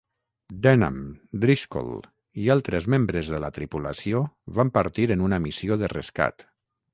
Denham, Driscoll, i altres membres de la tripulació van partir en una missió de rescat.